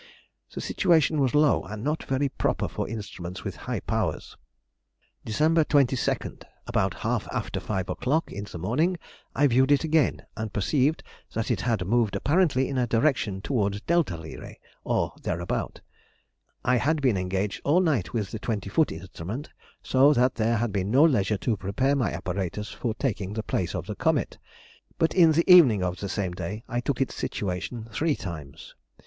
The situation was low, and not very proper for instruments with high powers. Dec. 22nd.—About half after 5 o'clock in the morning I viewed it again, and perceived that it had moved apparently in a direction towards δ Lyræ, or thereabout. I had been engaged all night with the twenty foot instrument, so that there had been no leisure to prepare my apparatus for taking the place of the comet; but in the evening of the same day I took its situation three times....